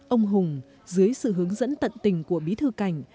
ông hùng dưới sự hướng dẫn tận tình của bí thư cảnh